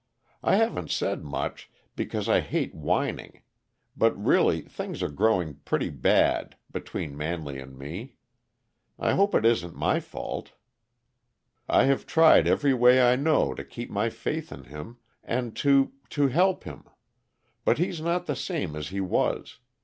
I haven't said much, because I hate whining; but really, things are growing pretty bad between Manley and me. I hope it isn't my fault. I have tried every way I know to keep my faith in him, and to to help him. But he's not the same as he was.